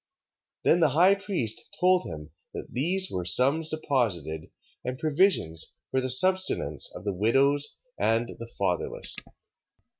3:10. Then the high priest told him that these were sums deposited, and provisions for the subsistence of the widows and the fatherless: 3:11.